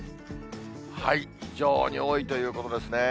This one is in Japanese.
非常に多いということですね。